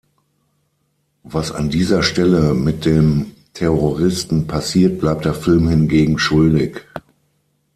Was an dieser Stelle mit dem Terroristen passiert bleibt der Film hingegen schuldig.